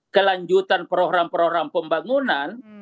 kelanjutan program program pembangunan